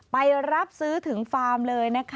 ไปรับซื้อถึงฟาร์มเลยนะคะ